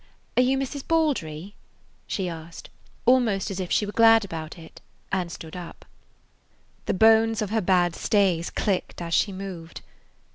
"Are you Mrs. Baldry?" she asked, almost as if she were glad about it, and stood up. The bones of her bad stays clicked as she moved.